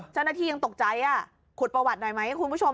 เจ้าหน้าที่ยังตกใจขุดประวัติหน่อยไหมคุณผู้ชม